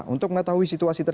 untuk mengetahui situasi tersebut